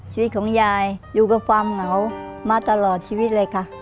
ชีวิตของยายอยู่กับความเหงามาตลอดชีวิตเลยค่ะ